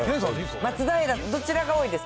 松平、どちらが多いですか？